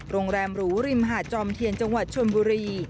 โรงแรมหรูริมหาดจอมเทียนจังหวัดชนบุรี